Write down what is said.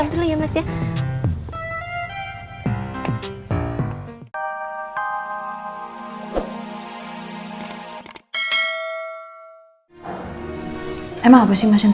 ngerti kok mas